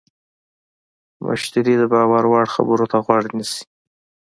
مشتری د باور وړ خبرو ته غوږ نیسي.